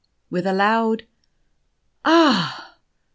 With a loud "Ah!"